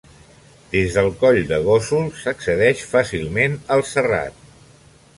Des del coll de Gósol s'accedeix fàcilment al Serrat.